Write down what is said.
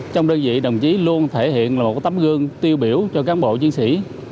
trong đơn vị đồng chí luôn thể hiện một tấm gương tiêu biểu cho cán bộ chiến sĩ